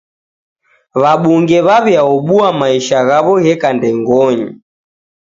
W'abunge w'aw'iaobua maisha ghaw'o gheka ndengonyi.